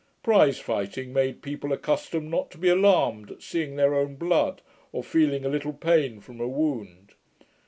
Prize fighting made people accustomed not to be alarmed at seeing their own blood, or feeling a little pain from a wound.